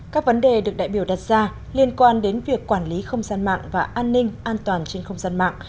các vấn đề được đại biểu đặt ra liên quan đến việc quản lý không gian mạng và an ninh an toàn trên không gian mạng